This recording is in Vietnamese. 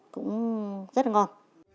cũng rất là ngon